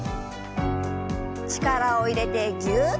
力を入れてぎゅっ。